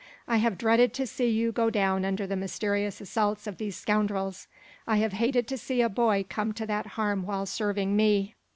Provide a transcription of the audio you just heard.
"I have dreaded to see you go down under the mysterious assaults of these scoundrels. I have hated to see a boy come to that harm while serving me.